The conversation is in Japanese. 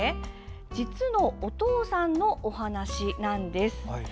実のお父さんのお話なんです。